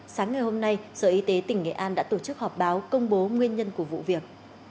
sáng ngày hôm nay sở y tế tỉnh nghệ an đã tổ chức họp báo công bố nguyên nhân của vụ việc